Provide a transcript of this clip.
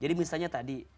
jadi misalnya tadi